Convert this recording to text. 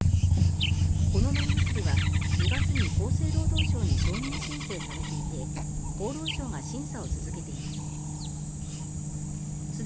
この飲み薬は２月に厚生労働省に承認申請されていて厚労省が審査を続けています。